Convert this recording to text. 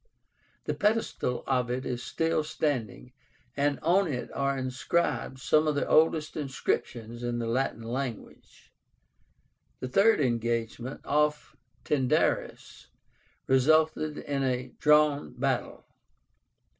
The pedestal of it is still standing, and on it are inscribed some of the oldest inscriptions in the Latin language. The third engagement, off Tyndaris, resulted in a drawn battle.